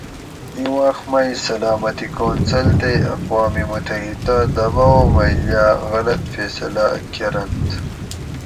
ایں وخ مئ سلامتی کونسل تے اقوام متحدہ دباؤ مئ یاۤ غلط فیصلاۤ کۤرنت